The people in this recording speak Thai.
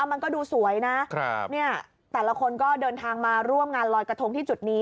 มันก็ดูสวยนะเนี่ยแต่ละคนก็เดินทางมาร่วมงานลอยกระทงที่จุดนี้